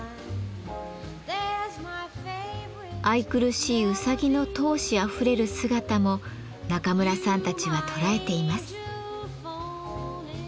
愛くるしいうさぎの闘志あふれる姿も中村さんたちは捉えています。